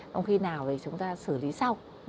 trong khi nào thì chúng ta xử lý sau